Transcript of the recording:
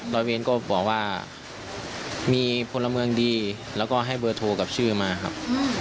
ร้อยเวรก็บอกว่ามีพลเมืองดีแล้วก็ให้เบอร์โทรกับชื่อมาครับ